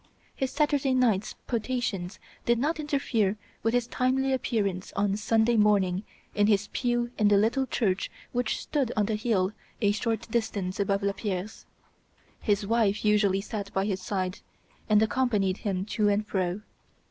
His Saturday nights' potations did not interfere with his timely appearance on Sunday morning in his pew in the little church which stood on the hill a short distance above Lapierre's. His wife usually sat by his side, and accompanied him to and fro.